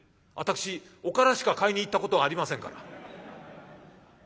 私おからしか買いに行ったことありませんから」。